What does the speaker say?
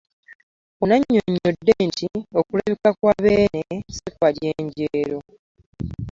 Ono annyonnyodde nti okulabika kwa Beene si kwa jjenjeero